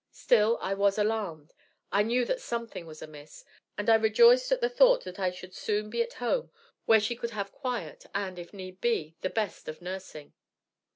Still I was alarmed. I knew that something was amiss, and I rejoiced at the thought that I should soon be at home where she could have quiet, and, if need be, the best of nursing.